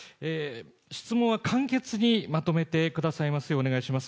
質問は簡潔にまとめてくださいますようお願いします。